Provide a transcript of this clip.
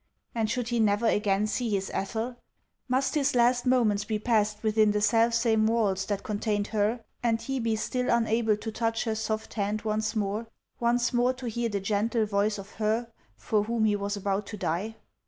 And should he never again see his Ethel ? Must his last moments be passed within the self same walls that con tained her, and he be still unable to touch her soft hand once more, once more to hear the gentle voice of her for whom he was about to die